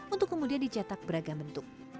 untuk kemudian dicetak beragam bentuk